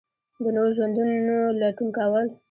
د نویو ژوندونو لټون کول